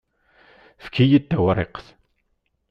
Efk-iyi-d tawriqt.